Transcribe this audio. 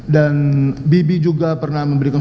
dan bibi juga pernah memberikan